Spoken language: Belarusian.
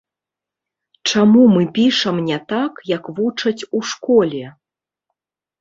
Чаму мы пішам не так, як вучаць у школе?